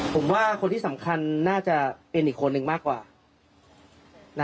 ผมว่าคนที่สำคัญน่าจะเป็นอีกคนนึงมากกว่า